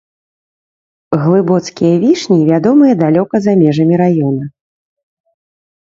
Глыбоцкія вішні вядомыя далёка за межамі раёна.